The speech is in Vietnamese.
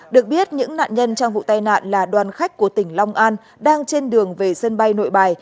được biết những nạn nhân trong vụ tai nạn là đoàn khách của tỉnh long an đang trên đường về sân bay nội bài